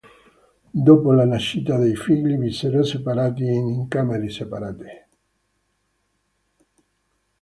Dopo la nascita dei figli vissero separati e in camere separate.